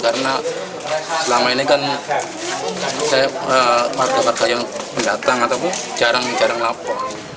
karena selama ini kan warga warga yang pendatang ataupun jarang nih jarang lapor